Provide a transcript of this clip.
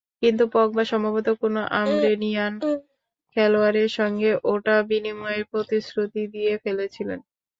কিন্তু পগবা সম্ভবত কোনো আর্মেনিয়ান খেলোয়াড়ের সঙ্গে ওটা বিনিময়ের প্রতিশ্রুতি দিয়ে ফেলেছিলেন।